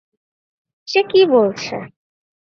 সে কী বলছে?